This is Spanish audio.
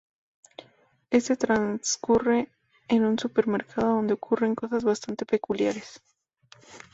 Este transcurre en un supermercado donde ocurren cosas bastante peculiares.